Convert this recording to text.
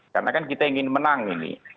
karena kan kita ingin menang ini